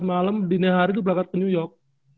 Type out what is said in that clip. malam dini hari itu berangkat ke new york